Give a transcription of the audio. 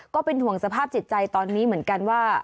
ก็เป็นห่วงสภาพจิตใจตอนนี้เหมือนกันว่า